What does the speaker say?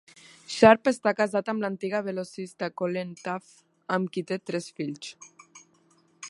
Sharpe està casat amb l'antiga velocista Colene Taffe, amb qui té tres fills.